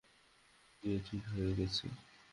মেয়ের বিয়ে ঠিক হয়ে গেছে।